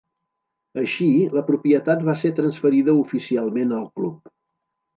Així, la propietat va ser transferida oficialment al club.